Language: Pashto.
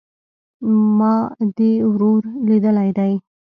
ما دي ورور ليدلى دئ